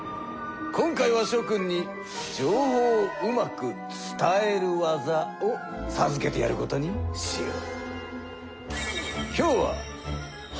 今回はしょ君に情報をうまく伝える技をさずけてやることにしよう。